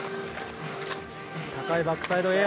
高いバックサイドエア。